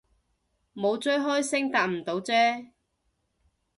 冇追開星搭唔到咀